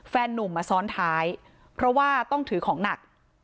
นุ่มมาซ้อนท้ายเพราะว่าต้องถือของหนัก